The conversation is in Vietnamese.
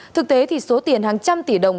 thực tế thì số tiền hàng trăm tỷ đồng